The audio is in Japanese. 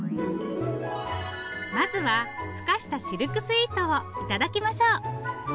まずはふかしたシルクスイートを頂きましょう。